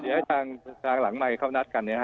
เดี๋ยวให้ทางหลังใหม่เขานัดกัน